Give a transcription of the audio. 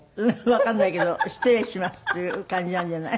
わかんないけど失礼しますっていう感じなんじゃない？